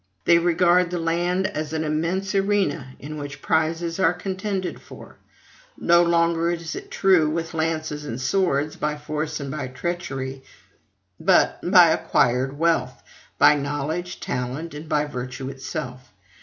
They regard the land as an immense arena in which prizes are contended for, no longer, it is true, with lances and swords, by force and by treachery; but by acquired wealth, by knowledge, talent, and by virtue itself.